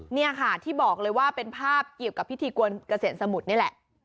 นี่ค่ะที่บอกเลยว่าเป็นภาพเกี่ยวกับพิธีกวนเกษียณสมุทรนี่แหละ